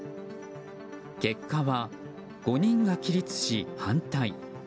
結果は５人が起立し、反対。